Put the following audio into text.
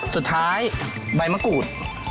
สุดท้ายใบมะกรูด